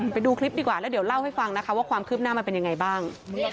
ไปดูคลิปดีกว่าแล้วเดี๋ยวเล่าให้ฟังนะคะว่าความคืบหน้ามันเป็นยังไงบ้าง